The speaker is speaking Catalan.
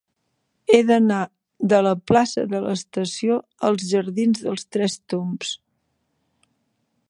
He d'anar de la plaça de l'Estació als jardins dels Tres Tombs.